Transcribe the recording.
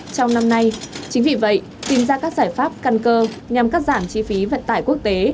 trong năm nay chính vì vậy tìm ra các giải pháp căn cơ nhằm cắt giảm chi phí vận tải quốc tế